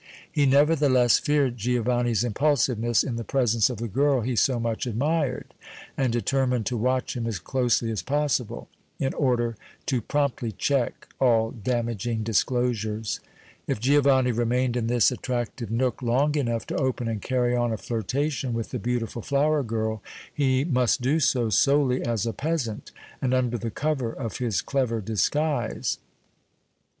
He, nevertheless, feared Giovanni's impulsiveness in the presence of the girl he so much admired, and determined to watch him as closely as possible, in order to promptly check all damaging disclosures. If Giovanni remained in this attractive nook long enough to open and carry on a flirtation with the beautiful flower girl, he must do so solely as a peasant and under the cover of his clever disguise.